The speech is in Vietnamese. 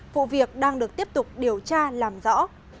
vụ việc đang được tiếp tục điều tra làm rõ